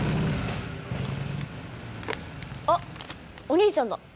・あっお兄ちゃんだ。